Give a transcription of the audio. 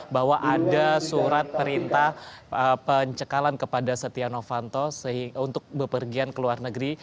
bahwa ada surat perintah pencekalan kepada setia novanto untuk bepergian ke luar negeri